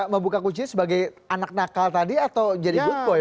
membuka kunci sebagai anak nakal tadi atau jadi bookboy